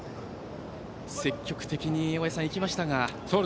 積極的に行きましたが。